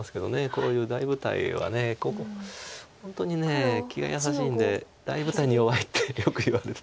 こういう大舞台は本当に気が優しいんで大舞台に弱いってよくいわれる。